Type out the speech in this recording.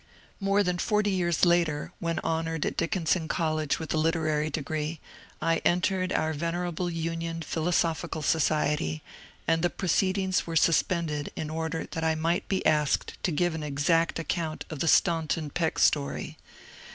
More than forty years later, when honoured at Dickinson College with a literary degree, I entered our venerable Union Philosophical Society, and the proceedings were suspended in order that I might be asked to give an exact account of the Staunton Peck story.